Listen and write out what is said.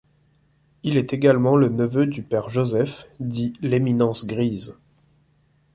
Il est également le neveu du père Joseph, dit l’Éminence grise.